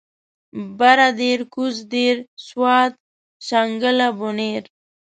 بره دير کوزه دير سوات شانګله بونير